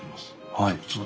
はい。